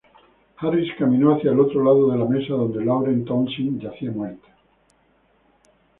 Harris caminó hacia el otro lado de la mesa donde Lauren Townsend yacía muerta.